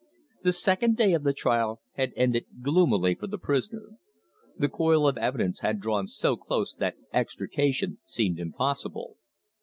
The second day of the trial had ended gloomily for the prisoner. The coil of evidence had drawn so close that extrication seemed impossible.